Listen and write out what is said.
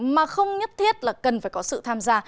mà không nhất thiết là cần phải có sự tham gia